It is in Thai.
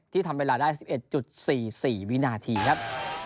ทำเวลาได้๑๑๔๔วินาทีครับ